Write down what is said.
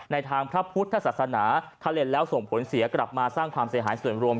ทางพระพุทธศาสนาถ้าเล่นแล้วส่งผลเสียกลับมาสร้างความเสียหายส่วนรวม